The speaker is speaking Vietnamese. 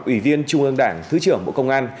ủy viên trung ương đảng thứ trưởng bộ công an